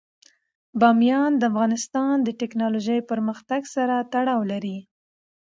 بامیان د افغانستان د تکنالوژۍ پرمختګ سره تړاو لري.